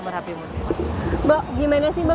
mbak gimana sih mbak